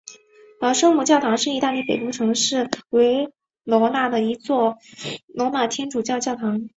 老圣母教堂是意大利北部城市维罗纳的一座罗马天主教教堂。